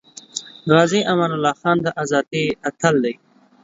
غازی امان الله خان د ازادی اتل دی